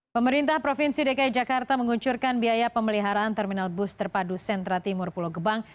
pemerintah provinsi dki jakarta menguncurkan biaya pemeliharaan terminal bus terpadu sentra timur pulau gebang